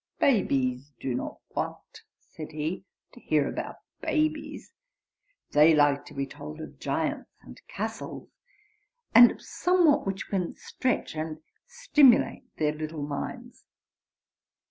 "Babies do not want," said he, "to hear about babies; they like to be told of giants and castles, and of somewhat which can stretch and stimulate their little minds."